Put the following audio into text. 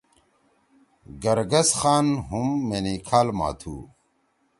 گرگس خان ہُم مینکھال ما تُھو۔